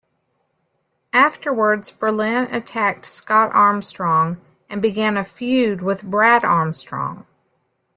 Afterwards, Berlyn attacked Scott Armstrong and began a feud with Brad Armstrong.